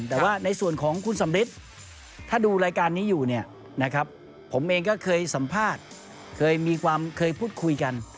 แต่ว่าในส่วนของคุณสำริทถ้าดูรายการนี้อยู่เนี่ยนะครับผมเองก็เคยสัมภาษณ์เคยมีความเคยพูดคุยกัน